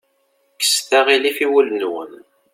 Kkset aɣilif i wul-nwen.